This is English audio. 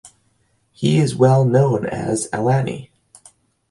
He is well known as "alani".